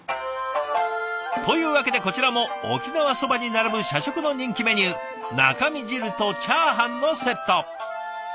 というわけでこちらも沖縄そばに並ぶ社食の人気メニュー中身汁とチャーハンのセット！